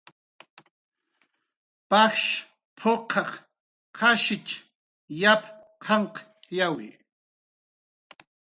"Pajsh p""uqaq qashich yap qanqyawi "